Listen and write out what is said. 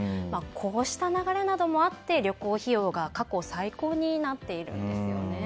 こうした流れなどもあって旅行費用が過去最高になっているんですよね。